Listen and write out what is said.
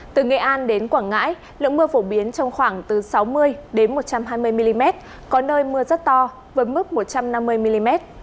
từ nghệ an đến quảng ngãi lượng mưa phổ biến trong khoảng từ sáu mươi một trăm hai mươi mm có nơi mưa rất to với mức một trăm năm mươi mm